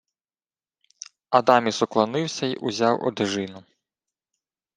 Адаміс уклонився й узяв одежину.